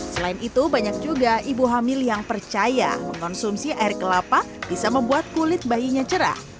selain itu banyak juga ibu hamil yang percaya mengonsumsi air kelapa bisa membuat kulit bayinya cerah